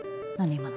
今の。